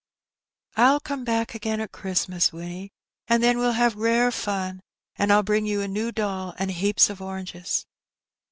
"I'll come back again at Christmas, Winnie, and then we'll have rare fun, and I'll bring you a new doll and heaps of oranges."